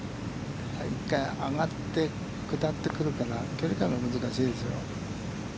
１回、上がって、下ってくるから、距離感が難しいですよ。